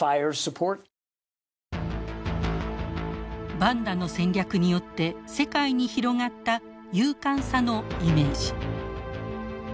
バンダの戦略によって世界に広がった勇敢さのイメージ。